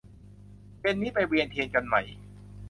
เย็นนี้ไปเวียนเทียนกันไหม